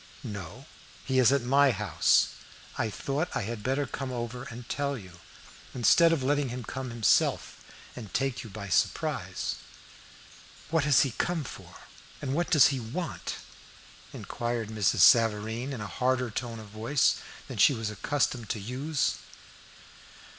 "No, he is at my house. I thought I had better come over and tell you, instead of letting him come himself and take you by surprise." "What has he come for, and what does he want?" inquired Mrs. Savareen, in a harder tone of voice than she was accustomed to use.